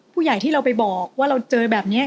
ผู้ใหญ่ที่เราไปบอกว่าเราเจอแบบนี้